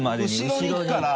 後ろに行くから。